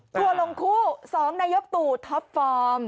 ทัวร์ลงคู่๒นายกตู่ท็อปฟอร์ม